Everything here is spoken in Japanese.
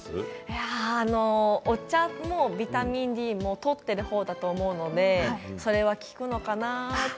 お茶もビタミンＤもとっているほうだと思うのでそれは効くのかなと。